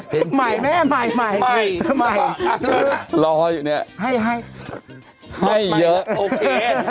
ใหม่ไหมใหม่ใหม่ใหม่รออยู่เนี้ยให้ให้ให้เยอะโอเค